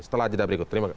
setelah jeda berikut